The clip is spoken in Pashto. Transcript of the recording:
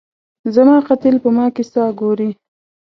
زما قاتل په ما کي ساه ګوري